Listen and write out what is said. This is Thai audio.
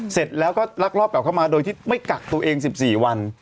เสร็จแล้วก็ลักลอบกลับเข้ามาโดยที่ไม่กักตัวเอง๑๔วัน